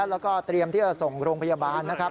แล้วก็เตรียมที่จะส่งโรงพยาบาลนะครับ